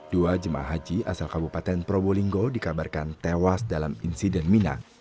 dua jemaah haji asal kabupaten probolinggo dikabarkan tewas dalam insiden mina